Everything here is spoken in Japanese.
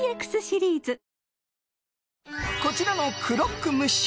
こちらのクロックムッシュ。